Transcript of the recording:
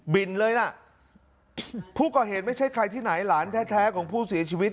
บินเลยน่ะผู้ก่อเหตุไม่ใช่ใครที่ไหนหลานแท้ของผู้เสียชีวิต